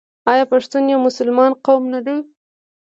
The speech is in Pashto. آیا پښتون یو مسلمان قوم نه دی؟